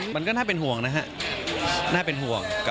มันก็น่าเป็นห่วงนะฮะน่าเป็นห่วง